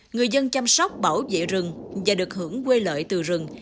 người dân chăm sóc bảo vệ rừng và được hưởng quyền lợi từ rừng